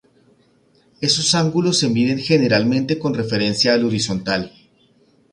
Estos ángulos se miden generalmente con referencia al horizontal.